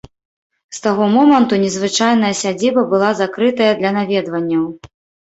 З таго моманту незвычайная сядзіба была закрытая для наведванняў.